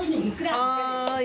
はい。